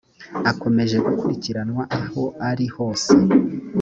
akomeje gukurikiranwa aho arihose.